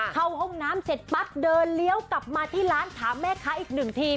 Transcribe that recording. เข้าห้องน้ำเสร็จปั๊บเดินเลี้ยวกลับมาที่ร้านถามแม่ค้าอีกหนึ่งที